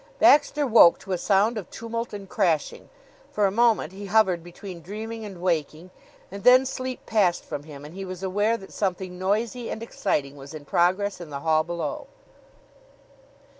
Baxter woke to a sound of tumult and crashing. For a moment he hovered between dreaming and waking, and then sleep passed from him, and he was aware that something noisy and exciting was in progress in the hall below.